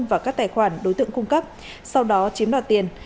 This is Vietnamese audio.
vào các tài khoản đối tượng cung cấp sau đó chiếm đoạt tiền